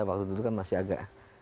waktu itu kan masih agak